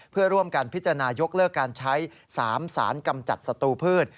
เพื่อร่วมกันพิจารณายกเลิกการใช้๓สารกำจัดศัตรูพืช